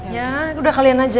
ya udah kalian aja